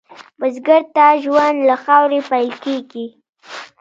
بزګر ته ژوند له خاورې پیل کېږي